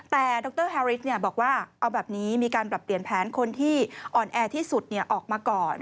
แต่ดรแฮริสบอกว่าเอาแบบนี้มีการปรับเปลี่ยนแผนคนที่อ่อนแอที่สุดออกมาก่อน